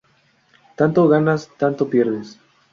Tanto ganas, tanto pierdes.